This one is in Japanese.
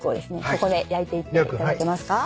ここで焼いていっていただけますか？